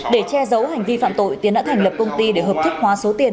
để che giấu hành vi phạm tội tiến đã thành lập công ty để hợp thức hóa số tiền